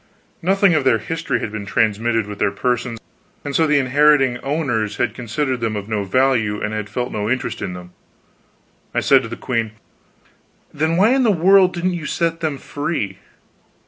Nothing of their history had been transmitted with their persons, and so the inheriting owners had considered them of no value, and had felt no interest in them. I said to the queen: "Then why in the world didn't you set them free?"